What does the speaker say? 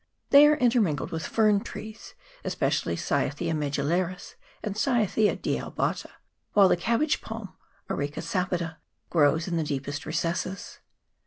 They are intermingled with fern trees, especially Cyathea me dullaris and Cyathea dealbata ; while the cabbage palm (Areca sapida) grows in the deepest recesses.